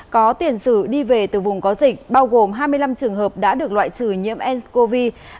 có tiền sử đi về từ vùng có dịch bao gồm hai mươi năm trường hợp đã được loại trừ nhiễm ncov